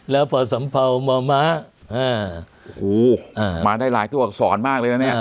แล้วพอสัมเภาหมอม้ามาได้หลายตัวอักษรมากเลยนะเนี่ย